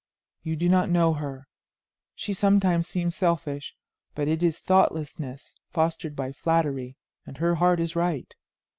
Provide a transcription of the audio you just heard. You do not know her; she sometimes seems selfish, but it is thoughtlessness fostered by flattery, and her heart is right.